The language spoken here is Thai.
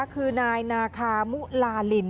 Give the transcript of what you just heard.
คือนายนาคามุลาลิน